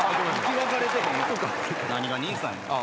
何が「兄さん」や。